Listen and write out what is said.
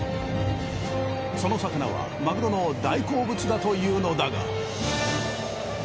その魚はマグロの大好物だというのだが。